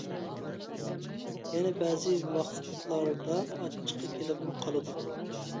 يەنە بەزى ۋاقىتلاردا ئاچچىقى كېلىپمۇ قالىدۇ.